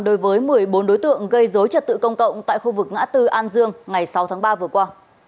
đối với một mươi bốn đối tượng gây dối trật tự công cộng tại khu vực ngã tư an dương ngày sáu tháng ba vừa qua